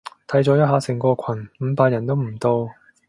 睇咗一下成個群，五百人都唔到